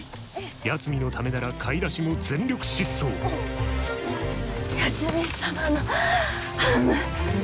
八海のためなら買い出しも全力疾走八海サマのハム。